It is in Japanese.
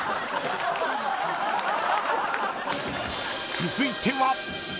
［続いては］